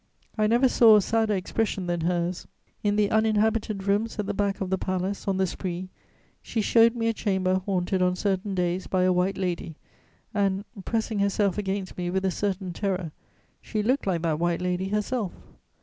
I never saw a sadder expression than hers: in the uninhabited rooms at the back of the palace, on the Spree, she showed me a chamber haunted on certain days by a white lady, and, pressing herself against me with a certain terror, she looked like that white lady herself.